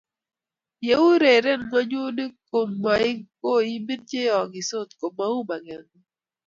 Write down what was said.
yeiurerenen ng'onyuni ko mokoimin cheyookisot komou makeng'ung